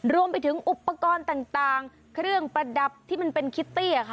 รวมไปถึงอุปกรณ์ต่างเครื่องประดับที่มันเป็นคิตตี้ค่ะ